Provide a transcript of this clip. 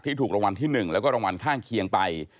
ถูกรางวัลที่๑แล้วก็รางวัลข้างเคียงไป